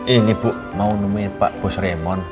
ini bu mau nemuin pak bus remon